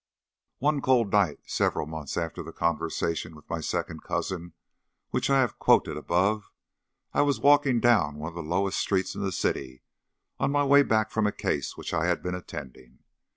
One cold night, several months after the conversation with my second cousin which I have quoted above, I was walking down one of the lowest streets in the city on my way back from a case which I had been attending.